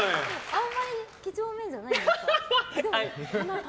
あんまり几帳面じゃないんですか？